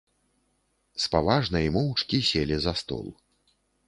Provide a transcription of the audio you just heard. Спаважна й моўчкі селі за стол.